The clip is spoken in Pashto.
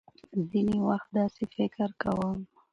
ځينې وخت داسې فکر کوم .